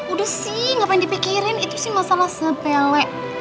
udah sih ngapain dipikirin itu sih masalah sepele